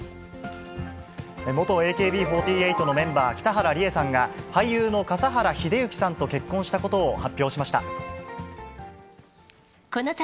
元ＡＫＢ４８のメンバー、北原里英さんが俳優の笠原秀幸さんと結婚したことを発表しました。